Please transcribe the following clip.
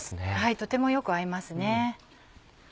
とてもよく合いますね。